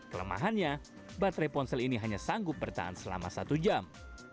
kelemahannya baterai ponsel ini hanya sanggup bertahan selama satu jam